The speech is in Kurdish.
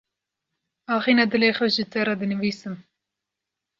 Axîna dilê xwe ji te re dinivîsim.